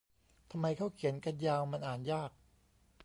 ทำไมเค้าเขียนกันยาว มันอ่านยาก